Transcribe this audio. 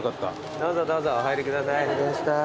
どうぞどうぞお入りください。